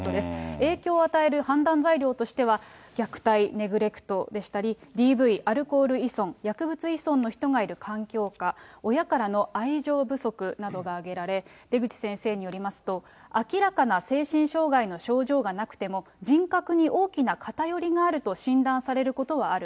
影響を与える判断材料としては、虐待、ネグレクトでしたり、ＤＶ、アルコール依存、薬物依存の人がいる環境下、親からの愛情不足などが挙げられ、出口先生によりますと、明らかな精神障害の症状がなくても、人格に大きな偏りがあると診断されることはある。